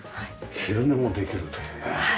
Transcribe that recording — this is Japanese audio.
昼寝もできるというね。